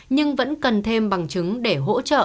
nhưng vẫn cần thêm bằng chứng để hỗ trợ